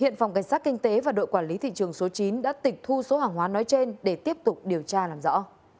công an tỉnh thanh hóa và đội quản lý thị trường số chín đã tịch thu số hàng hóa nói trên để tiếp tục điều tra làm rõ